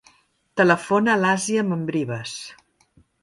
Telefona a l'Àsia Membrives.